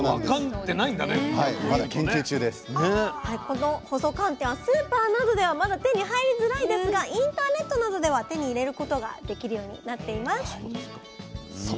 はいこの細寒天はスーパーなどではまだ手に入りづらいですがインターネットなどでは手に入れることができるようになっています。